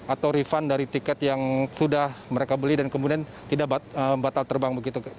atau refund dari tiket yang sudah mereka beli dan kemudian tidak batal terbang begitu